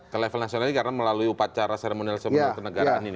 ke level nasional ini karena melalui upacara seremonial sebenarnya ke negaraan ini ya